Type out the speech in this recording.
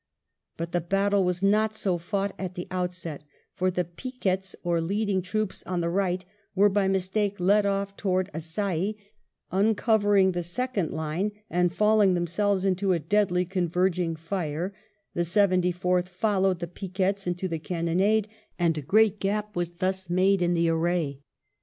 But the battle was not so fought at the outset, for the picquets or leading troops on the right were by mistake led off towards Assaye, uncovering the second line, and falling themselves into a deadly converging fire ; the Seventy fourth followed the picquets into the cannonade, and a great gap was thus made in the array.